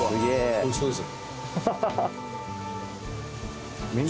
おいしいですよ。